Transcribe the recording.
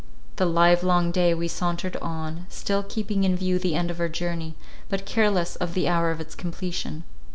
The live long day we sauntered on, still keeping in view the end of our journey, but careless of the hour of its completion.